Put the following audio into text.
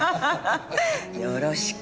よろしく。